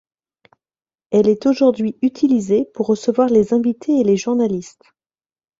Elle est aujourd'hui utilisée pour recevoir les invités et les journalistes.